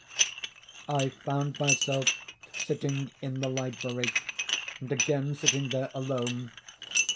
I found myself sitting in the library, and again sitting there alone.